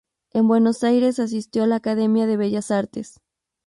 En Buenos Aires asistió a la Academia de Bellas Artes.